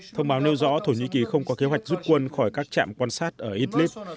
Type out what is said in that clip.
thông báo nêu rõ thổ nhĩ kỳ không có kế hoạch rút quân khỏi các trạm quan sát ở idlib